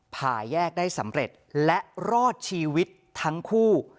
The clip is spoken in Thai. ผ่าแยกได้สำเร็จและรอดชีวิตทั้งคู่